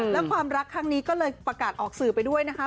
แล้วความรักครั้งนี้ก็เลยประกาศออกสื่อไปด้วยนะคะ